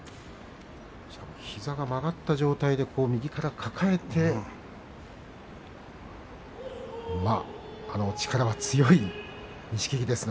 膝が曲がった状態で右から抱えて力は強い錦木です。